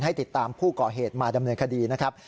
ให้ติดตามผู้ก่อเหตุมาดำเนินคดีนะครับ